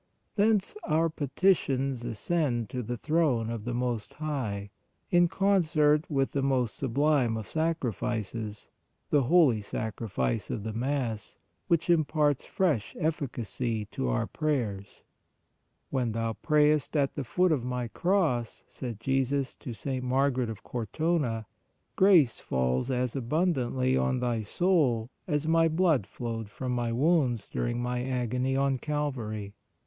Thence our petitions ascend to the throne of the Most High, in concert with the most sublime of sacrifices, the Holy Sacrifice of the Mass which im parts fresh efficacy to our prayers. " When thou prayest at the foot of My Cross," said Jesus to St. Margaret of Cortona, " grace falls as abundantly on thy soul as My blood flowed from My wounds during My agony on Calvary.